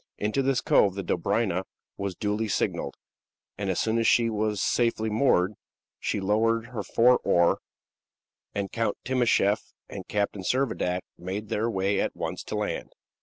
Into this cove the Dobryna was duly signaled, and as soon as she was safely moored, she lowered her four oar, and Count Timascheff and Captain Servadac made their way at once to land.